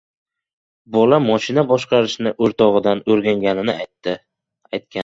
Bola mashina boshqarishni o‘rtog‘idan o‘rganganini aytgan